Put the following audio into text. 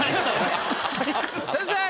先生！